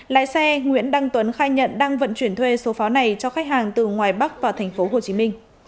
lái xe nguyễn đăng tuấn khai nhận đang vận chuyển thuê số pháo này cho khách hàng từ ngoài bắc vào tp hcm